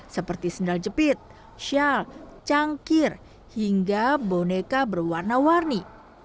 seperti sendal jepit shawl cangkir hingga boneka berwarna warni